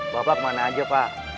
bapak mana aja pak